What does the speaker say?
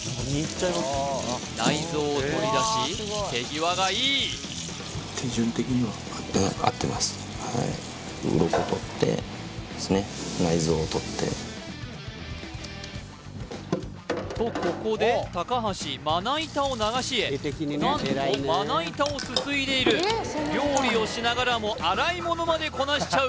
内臓を取り出し手際がいい！とここで高橋まな板を流しへ何とまな板をすすいでいる料理をしながらも洗い物までこなしちゃう